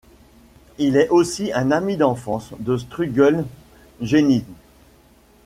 Il est aussi un ami d'enfance de Struggle Jennings.